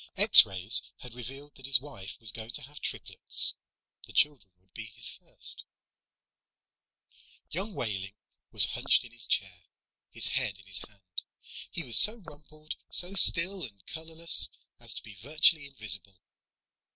X rays had revealed that his wife was going to have triplets. The children would be his first. Young Wehling was hunched in his chair, his head in his hand. He was so rumpled, so still and colorless as to be virtually invisible.